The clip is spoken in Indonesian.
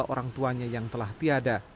orang tuanya yang telah tiada